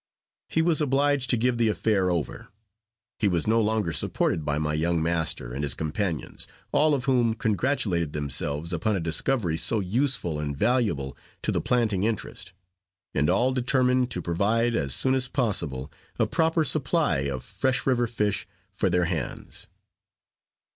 He was obliged to give the affair over. He was no longer supported by my young master and his companions, all of whom congratulated themselves upon a discovery so useful and valuable to the planting interest; and all determined to provide, as soon as possible, a proper supply of fresh river fish for their hands.